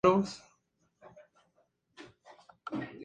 Fue formado como Príncipe real y heredero del trono.